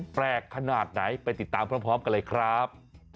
แปลกขนาดไหนไปติดตามพร้อมกันเลยครับ